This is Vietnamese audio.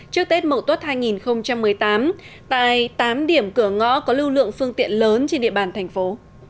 trước tết mậu tuất hai nghìn một mươi tám tại tám điểm cửa ngõ có lưu lượng phương tiện lớn trên địa bàn thành phố